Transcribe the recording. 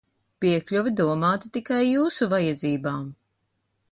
Piekļuve domāta tikai Jūsu vajadzībām!